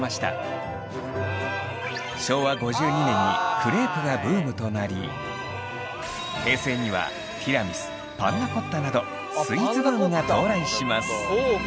昭和５２年にクレープがブームとなり平成にはティラミスパンナコッタなどスイーツブームが到来します。